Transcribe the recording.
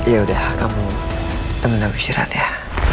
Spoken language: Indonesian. ya udah kamu temen aku istirahat ya